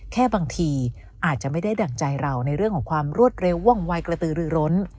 แค่บางทีอาจจะไม่ได้ดั่งใจเราในเรื่องของความรวดเร็วว่องวัยกระตือรือร้น